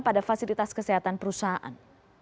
pada fasilitas kesehatan perusahaan